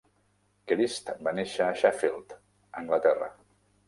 Grist va nàixer a Sheffield, Anglaterra.